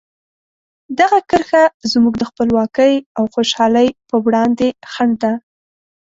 دغه کرښه زموږ د خپلواکۍ او خوشحالۍ په وړاندې خنډ ده.